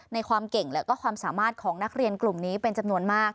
ความเก่งและความสามารถของนักเรียนกลุ่มนี้เป็นจำนวนมาก